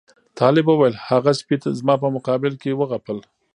طالب وویل هغه سپي زما په مقابل کې وغپل.